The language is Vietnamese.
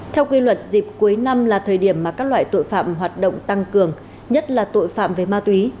theo quy luật dịp cuối năm là thời điểm mà các loại tội phạm hoạt động tăng cường nhất là tội phạm về ma túy